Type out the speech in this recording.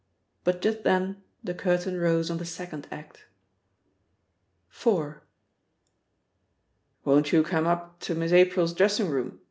But just then the curtain rose on the second act. IV. "Won't you cam up to Miss April's dressing room?"